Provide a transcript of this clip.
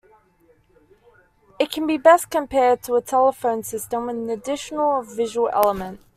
It can be best compared to a telephone system with an additional visual element.